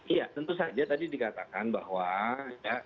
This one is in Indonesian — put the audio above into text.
iya tentu saja tadi dikatakan bahwa ya